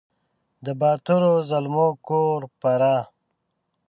د باتورو زلمو کور فراه !